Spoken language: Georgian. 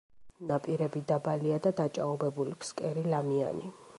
ნაპირები დაბალია და დაჭაობებული, ფსკერი ლამიანი.